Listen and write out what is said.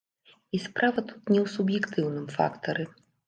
І справа тут не ў суб'ектыўным фактары.